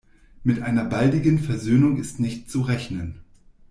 Mit einer baldigen Versöhnung ist nicht zu rechnen.